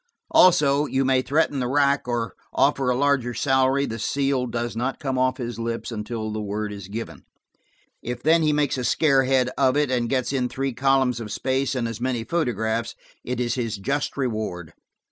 Also, you may threaten the rack or offer a larger salary, the seal does not come off his lips until the word is given. If then he makes a scarehead of it, and gets in three columns of space and as many photographs, it is his just reward.